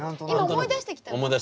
思い出してきた。